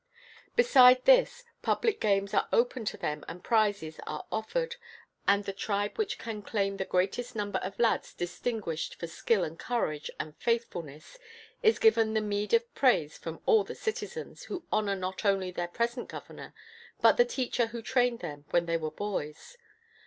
Beside this, public games are open to them and prizes are offered; and the tribe which can claim the greatest number of lads distinguished for skill and courage and faithfulness is given the meed of praise from all the citizens, who honour, not only their present governor, but the teacher who trained them when they were boys.